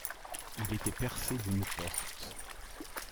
Il était percé d’une porte